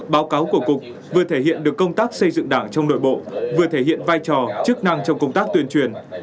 báo cáo của cục vừa thể hiện được công tác xây dựng đảng trong nội bộ vừa thể hiện vai trò chức năng trong công tác tuyên truyền